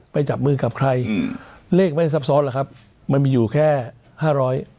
จับมือกับใครอืมเลขไม่ซับซ้อนหรอกครับมันมีอยู่แค่ห้าร้อย